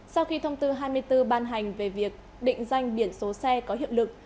sau khi thông tư hai mươi bốn ban hành về việc định danh biển số xe có hiệu lực